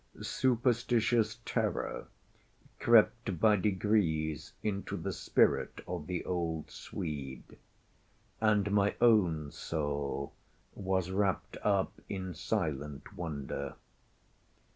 Superstitious terror crept by degrees into the spirit of the old Swede, and my own soul was wrapped up in silent wonder.